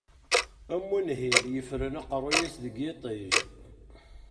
Am unhil yeffren aqerruy-is deg yijdi.